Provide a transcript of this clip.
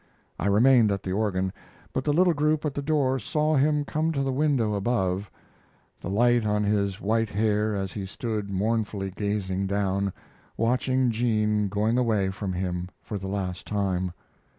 I remained at the organ; but the little group at the door saw him come to the window above the light on his white hair as he stood mournfully gazing down, watching Jean going away from him for the last time.